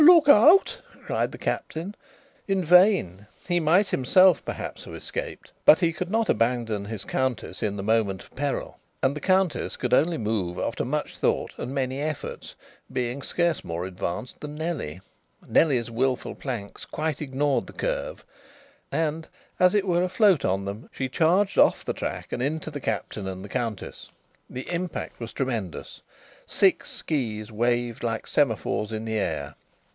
"Look out!" cried the Captain. In vain! He himself might perhaps have escaped, but he could not abandon his Countess in the moment of peril, and the Countess could only move after much thought and many efforts, being scarce more advanced than Nellie. Nellie's wilful planks quite ignored the curve, and, as it were afloat on them, she charged off the track, and into the Captain and the Countess. The impact was tremendous. Six skis waved like semaphores in the air.